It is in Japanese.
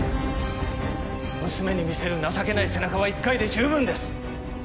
娘に見せる情けない背中は一回で十分です！